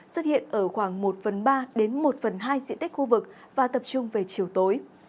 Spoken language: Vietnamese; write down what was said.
xuất hiện ở khoảng một phần ba đến một phần hai diện tích khu vực và tập trung về chiều tối